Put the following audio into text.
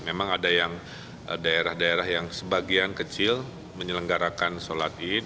memang ada yang daerah daerah yang sebagian kecil menyelenggarakan sholat id